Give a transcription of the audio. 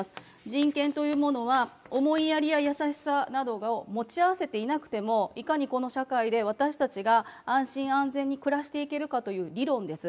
人権というものは思いやりや優しさなどを持ち合わせていなくてもいかにこの社会で私たちが安心・安全に暮らしていけるかという理論です。